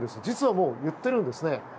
実はもう言っているんですね。